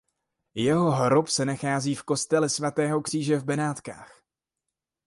Jeho hrob se nachází v kostele svatého Kříže v Benátkách.